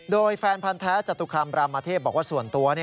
โดยแฟนพันธ์แท้จตุคามรามเทพบอกว่าส่วนตัว